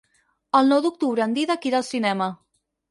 El nou d'octubre en Dídac irà al cinema.